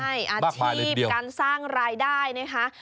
ใช่อาชีพการสร้างรายได้นะคะ